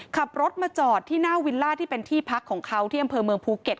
ขับรถมาจอดที่หน้าวิลล่าที่เป็นที่พักของเขาที่อำเภอเมืองภูเก็ต